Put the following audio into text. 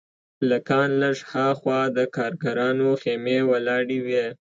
له کان لږ هاخوا د کارګرانو خیمې ولاړې وې